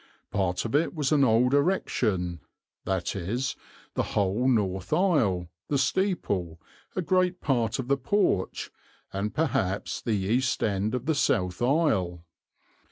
Part of it was an old erection, viz. the whole North Ile, the Steeple, a great part of the Porch and p'haps the East End of the South Ile.